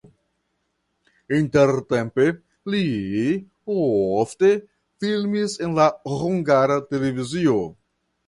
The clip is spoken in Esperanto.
Intertempe li ofte filmis en la Hungara Televizio.